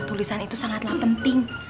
penulisan itu sangatlah penting